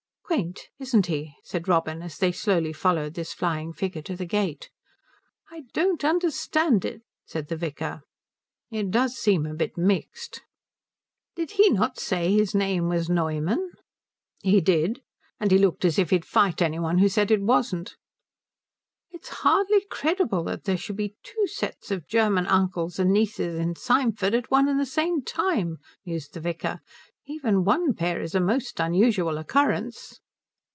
"Quaint, isn't he," said Robin as they slowly followed this flying figure to the gate. "I don't understand it," said the vicar. "It does seem a bit mixed." "Did he not say his name was Neumann?" "He did. And he looked as if he'd fight any one who said it wasn't." "It is hardly credible that there should be two sets of German uncles and nieces in Symford at one and the same time," mused the vicar. "Even one pair is a most unusual occurrence."